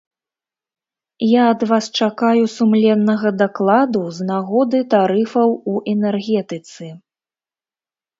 Я ад вас чакаю сумленнага дакладу з нагоды тарыфаў у энергетыцы.